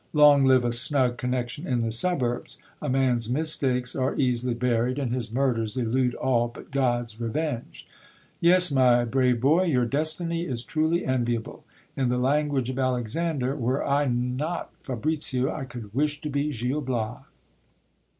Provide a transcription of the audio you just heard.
Long live a snug connection in the suburbs ! a man's mistakes are easily buried, and his murders elude all but God's revenge. Yes, my brave boy, your destiny is truly enviable ; in the language of Alexander, were I not Fabricio, I could wish to be Gil Bias.